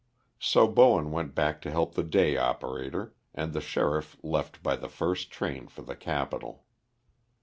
So Bowen went back to help the day operator, and the sheriff left by the first train for the capital.